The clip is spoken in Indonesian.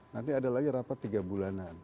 nanti ada lagi rapat tiga bulanan